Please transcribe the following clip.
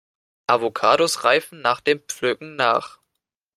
Avocados reifen nach dem Pflücken nach.